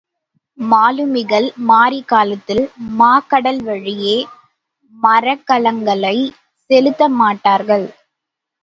மாலுமிகள் மாரிக்காலத்தில் மாக்கடல் வழியே மரக்கலங்களைச் செலுத்தமாட்டார்கள்.